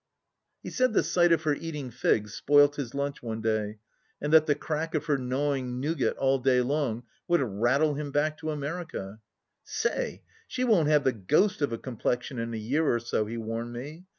He said the sight of her eating figs spoilt his lunch one day, and that the crack of her gnawing nougat all day long would " rattle him back to America." " Say 1 She won't have the ghost of a complexion in a year or so," he warned me.